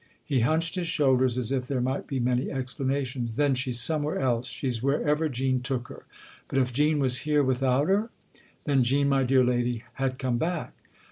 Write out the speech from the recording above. He hunched his shoulders as if there might be many explanations. " Then she's somewhere else. She's wherever Jean took her." " But if Jean was here without her ?"" Then Jean, my dear lady, had come back."